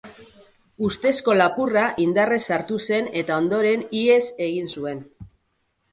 Ustezko lapurra indarrez sartu zen eta ondoren ihes egin zuen.